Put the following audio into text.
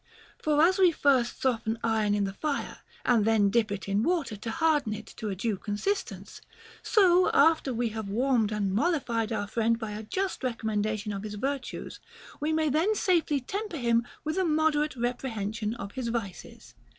For as we first soften iron in the fire and then dip it in water, to harden it into a due consistence ; so, after we have warmed and mollified our friend by a just commendation of his virtues, we may then safely temper him with a moderate reprehension of his vices.